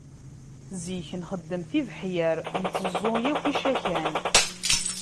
Zik nxeddem tibeḥyar, nteẓẓu yakk icakan.